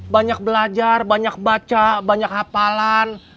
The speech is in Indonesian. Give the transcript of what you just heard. banyak belajar banyak baca banyak hapalan